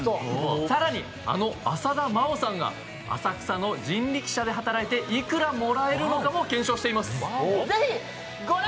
更に、あの浅田真央さんが浅草の人力車で働いていくらもらえるのかも検証しています。